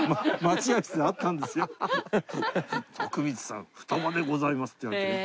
「徳光さん二葉でございます」って言われてね。